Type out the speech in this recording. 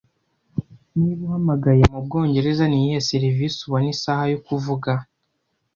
Niba uhamagaye mubwongereza niyihe serivisi ubona isaha yo kuvuga